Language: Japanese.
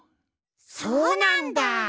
そうなんだ！